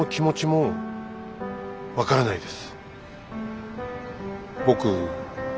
僕分からないです。